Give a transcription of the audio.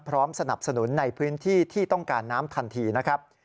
สนับสนุนในพื้นที่ที่ต้องการน้ำทันทีนะครับ